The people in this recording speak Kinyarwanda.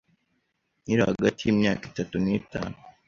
Nkiri hagati y’imyaka itatu n’itanu